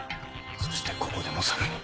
そしてここでもさらに。